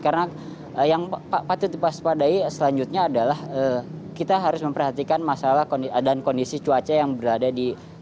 karena yang patut dipasak padai selanjutnya adalah kita harus memperhatikan masalah dan kondisi cuaca yang berada di kota garut